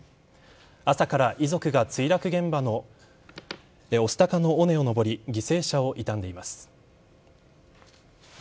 朝から遺族が墜落現場の御巣鷹の尾根を登り犠牲者を悼んでいます。